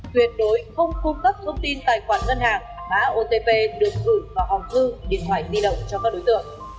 tuyệt đối không cung cấp thông tin tài khoản ngân hàng mã otp được gửi vào hòm thư điện thoại di động cho các đối tượng